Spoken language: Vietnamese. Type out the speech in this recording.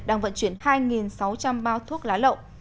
đang vận chuyển hai sáu trăm linh bao thuốc lá lậu